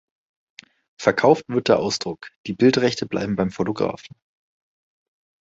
Verkauft wird der Ausdruck, die Bildrechte bleiben beim Fotografen.